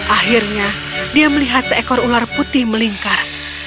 akhirnya dia melihat seekor ular putih melingkar